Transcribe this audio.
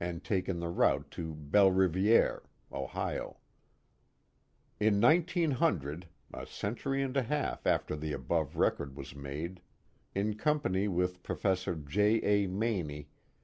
d taken the route to Belle Riviere (Ohio). In 1900, a century and a half after the above record was made, in company with Prof, J. A. Maney.